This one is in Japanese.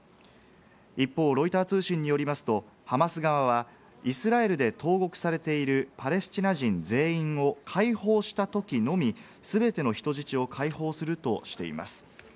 一方、ロイター通信によりますと、ハマス側はイスラエルで投獄されているパレスチナ人全員を解放したときのみ全ての人質を解放するとしています。